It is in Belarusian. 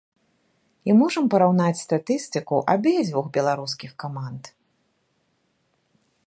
І можам параўнаць статыстыку абедзвюх беларускіх каманд.